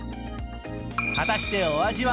果たしてお味は？